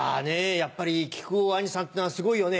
やっぱり木久扇兄さんってのはすごいよね。